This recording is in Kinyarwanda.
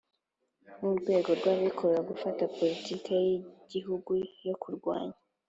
n urwego rw abikorera gufata Politiki y Igihugu yo Kurwanya